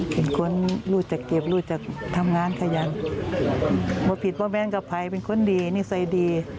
เป็นคนรู้จะเก็บรู้จะทำงานขยันบอกผิดว่าแม่กะไภเป็นคนดีนิสัยดี